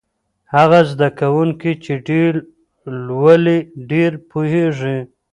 هغه زده کوونکی چې ډېر لولي ډېر پوهېږي.